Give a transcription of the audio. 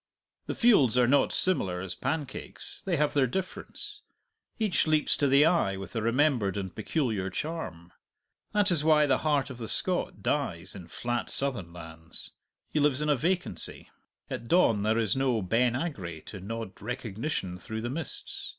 The fields are not similar as pancakes; they have their difference; each leaps to the eye with a remembered and peculiar charm. That is why the heart of the Scot dies in flat southern lands; he lives in a vacancy; at dawn there is no Ben Agray to nod recognition through the mists.